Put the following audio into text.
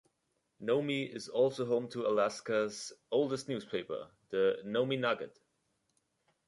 Nome also is home to Alaska's oldest newspaper, the "Nome Nugget".